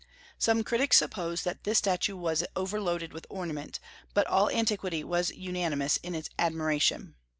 Some critics suppose that this statue was overloaded with ornament, but all antiquity was unanimous in its admiration.